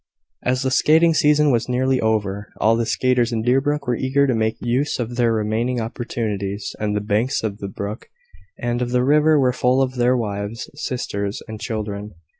As the skating season was nearly over, all the skaters in Deerbrook were eager to make use of their remaining opportunities, and the banks of the brook and of the river were full of their wives, sisters, and children.